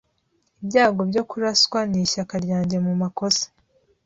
ibyago byo kuraswa nishyaka ryanjye mu makosa.